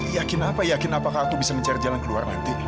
yakin apa yakin apakah aku bisa mencari jalan keluar nanti